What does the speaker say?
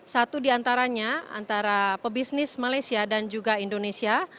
satu di antaranya antara pebisnis malaysia dan juga indonesia